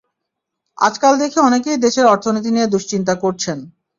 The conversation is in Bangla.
আজকাল দেখি অনেকেই দেশের অর্থনীতি নিয়ে দুঃচিন্তা করছেন।